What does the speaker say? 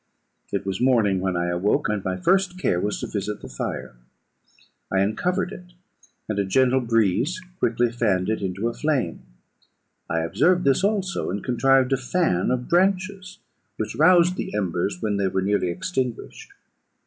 "It was morning when I awoke, and my first care was to visit the fire. I uncovered it, and a gentle breeze quickly fanned it into a flame. I observed this also, and contrived a fan of branches, which roused the embers when they were nearly extinguished.